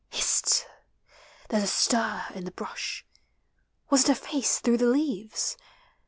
Hist! there 's a stir in the brush. Was it a face through the leaves?